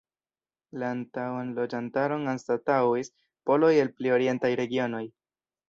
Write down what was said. La antaŭan loĝantaron anstataŭis poloj el pli orientaj regionoj.